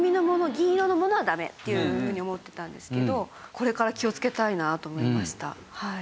銀色のものはダメっていうふうに思ってたんですけどこれから気をつけたいなと思いました。